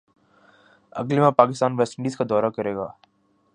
اگلے ماہ Pakistan West Indies کا دورہ کرے گا